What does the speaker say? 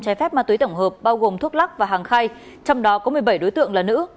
trái phép ma túy tổng hợp bao gồm thuốc lắc và hàng khay trong đó có một mươi bảy đối tượng là nữ